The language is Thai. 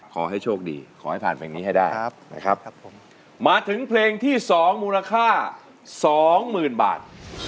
ขอให้โชคดีขอให้ผ่านเพลงนี้ให้ได้นะครับผมมาถึงเพลงที่๒มูลค่า๒๐๐๐บาท